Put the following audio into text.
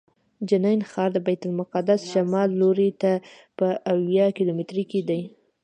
جنین ښار د بیت المقدس شمال لوري ته په اویا کیلومترۍ کې دی.